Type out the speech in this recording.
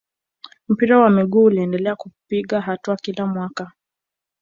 mpira wa miguu uliendelea kupiga hatua kila mwaka